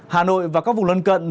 hà nội và các vùng lân cận